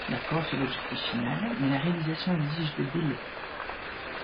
D'accord sur l'objectif final, mais la réalisation exige des délais.